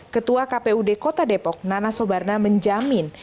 ketua kpud kota depok nana sobarna menjamin